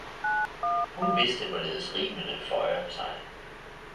hun vidste hvorledes rimene føjer sig.